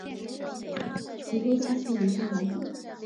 其多栖息于深海底。